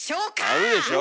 あるでしょ？